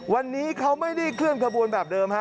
วันนี้เขาไม่ได้เคลื่อนขบวนแบบเดิมฮะ